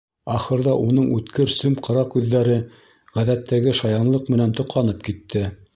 Ахырҙа уның үткер сөм ҡара күҙҙәре ғәҙәттәге шаянлыҡ менән тоҡанып китте.